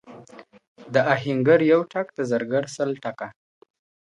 د آهنگر يو ټک ، دزرگر سل ټکه.